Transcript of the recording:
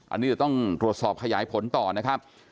อันนี้เดี๋ยวต้องตรวจสอบขยายผลต่อนะครับ